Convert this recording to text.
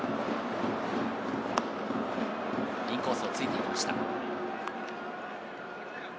インコースをついていきました。